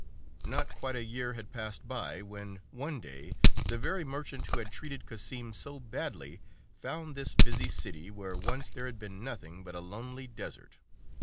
184 Not quite a year had passed by when, one day, the very merchant who had treated Cassim so badly found this busy city where once there had been nothing but a lonely desert.